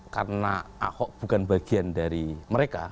karena ahok bukan bagian dari mereka